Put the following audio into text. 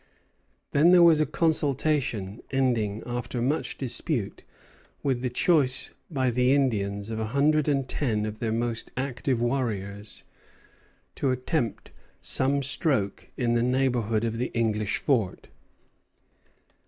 Then there was a consultation; ending, after much dispute, with the choice by the Indians of a hundred and ten of their most active warriors to attempt some stroke in the neighborhood of the English fort.